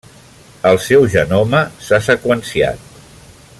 El seu genoma s'ha seqüenciat.